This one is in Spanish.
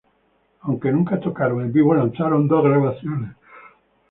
Aunque nunca tocaron en vivo, lanzaron dos grabaciones.